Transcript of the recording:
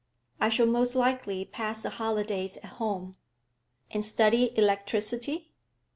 I shall most likely pass the holidays at home.' 'And study electricity?'